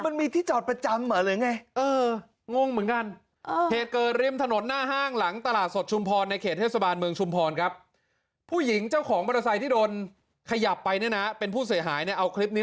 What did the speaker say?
เนี่ยอัตวรรษแล้วมันโดนตรงเนี่ย